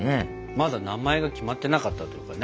まだ名前が決まってなかったというかね。